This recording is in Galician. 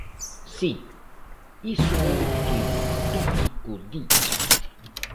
Si, iso é o que o tópico di.